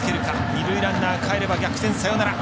二塁ランナーかえれば逆転サヨナラ。